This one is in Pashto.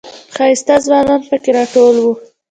ښایسته ځوانان پکې راټول و.